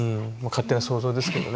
勝手な想像ですけどね